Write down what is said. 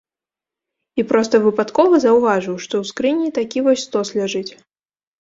І проста выпадкова заўважыў, што ў скрыні такі вось стос ляжыць.